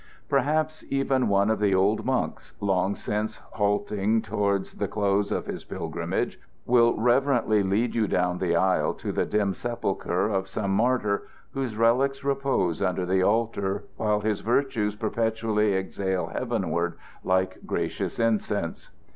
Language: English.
Perhaps even one of the old monks, long since halting towards the close of his pilgrimage, will reverently lead you down the aisle to the dim sepulchre of some martyr, whose relics repose under the altar while his virtues perpetually exhale heavenward like gracious incense.